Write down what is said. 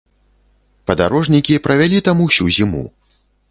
Падарожнікі правялі там усю зіму.